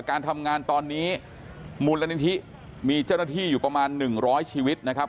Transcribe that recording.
การทำงานตอนนี้มูลนิธิมีเจ้าหน้าที่อยู่ประมาณ๑๐๐ชีวิตนะครับ